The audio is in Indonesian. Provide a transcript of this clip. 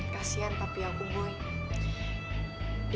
kasian papi aku boy